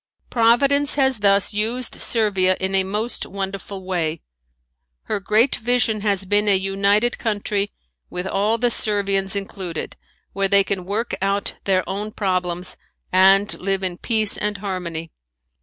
Providence has thus used Servia in a most wonderful way. Her great vision has been a united country with all the Servians included, where they can work out their own problems and live in peace and harmony.